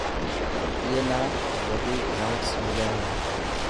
اي نا وڌيڪ پووانٽس مليا هي.